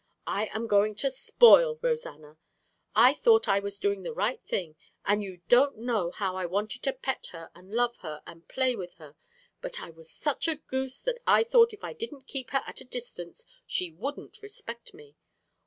I am going to spoil Rosanna. I thought I was doing the right thing, and you don't know how I wanted to pet her and love her and play with her, but I was such a goose that I thought if I didn't keep her at a distance she wouldn't respect me.